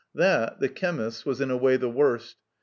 That, the chemist's, was in a way the worst.